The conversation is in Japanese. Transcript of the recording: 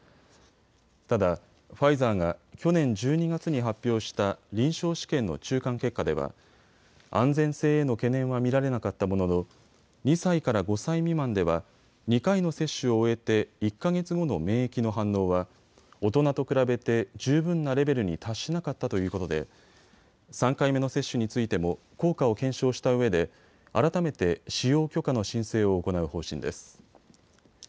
ただ、ファイザーが去年１２月に発表した臨床試験の中間結果では安全性への懸念は見られなかったものの２歳から５歳未満では２回の接種を終えて１か月後の免疫の反応は大人と比べて十分なレベルに達しなかったということで３回目の接種についても効果を検証したうえで改めて使用許可の申請を行う方針です。